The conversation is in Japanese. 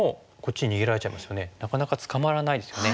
なかなか捕まらないですよね。